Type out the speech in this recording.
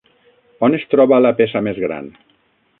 On es troba la peça més gran?